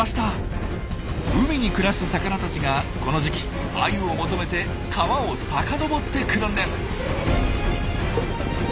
海に暮らす魚たちがこの時期アユを求めて川を遡って来るんです。